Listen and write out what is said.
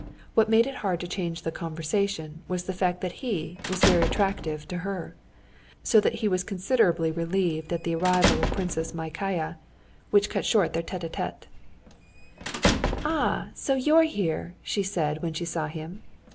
What made it hard to change the conversation was the fact that he was very attractive to her. So that he was considerably relieved at the arrival of Princess Myakaya, which cut short their tête à tête. "Ah, so you're here!" said she when she saw him.